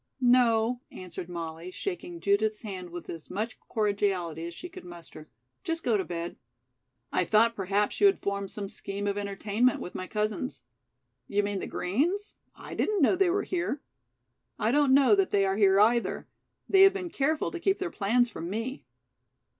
"No," answered Molly, shaking Judith's hand with as much cordiality as she could muster. "Just go to bed." "I thought perhaps you had formed some scheme of entertainment with my cousins." "You mean the Greens? I didn't know they were here." "I don't know that they are here, either. They have been careful to keep their plans from me."